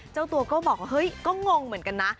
เจ้าตัวก็บอกเฮ้ยก็งงเหมือนกันนะ